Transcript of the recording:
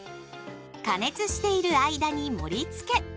加熱している間に盛りつけ。